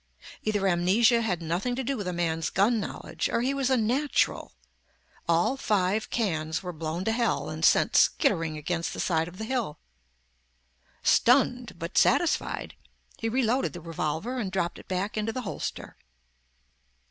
Either amnesia had nothing to do with a man's gun knowledge, or he was a natural. All five cans were blown to hell and sent skittering against the side of the hill. Stunned, but satisfied, he reloaded the revolver and dropped it back into the holster.